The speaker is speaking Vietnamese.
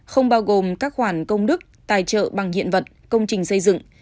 không bao gồm các khoản công đức tài trợ bằng hiện vật công trình xây dựng